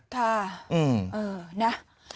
ถ้าเออนะ